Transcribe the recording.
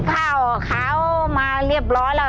กล่อข้าวหลามใส่กระบอกจำนวน๑๒กระบอกภายในเวลา๓นาที